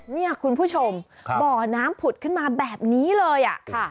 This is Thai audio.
นี่คุณผู้ชมบ่อน้ำผุดขึ้นมาแบบนี้เลยค่ะ